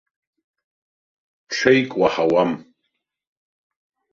Ҽеик уаҳауам.